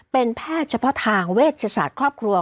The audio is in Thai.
เป็นแพทย์เฉพาะทางเวชศาสตร์ครอบครัว